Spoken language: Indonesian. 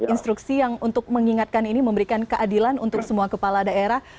instruksi yang untuk mengingatkan ini memberikan keadilan untuk semua kepala daerah